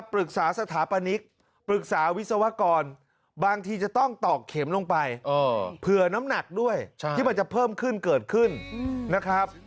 ปรึกษาสถาปนิกปรึกษาวิศวกรบางทีจะต้องตอกเข็มลงไปเผื่อน้ำหนักด้วยที่มันจะเพิ่มขึ้นเกิดขึ้นนะครับ